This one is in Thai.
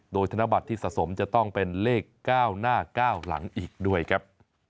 โดยธนบัตรที่สะสมจะต้องเป็นเลข๙หน้า๙หลังอีกด้วยครับ